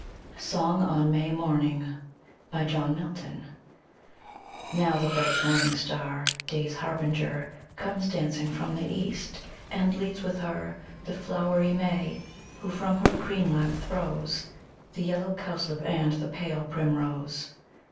SONG ON MAY MORNING John Milton Now the bright morning star. Day's harbinger. Comes dancing from the East, and leads with her The flowery May, who from her green lap throws The yellow cowslip and the pale primrose.